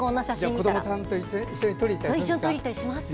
子どもと一緒にとりに行ったりします。